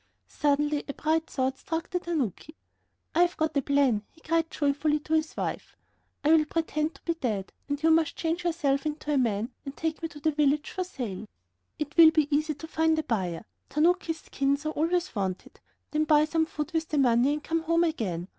Suddenly a bright thought struck the tanuki. "I have got a plan," he cried joyfully to his wife. "I will pretend to be dead, and you must change yourself into a man, and take me to the village for sale. It will be easy to find a buyer, tanukis' skins are always wanted; then buy some food with the money and come home again.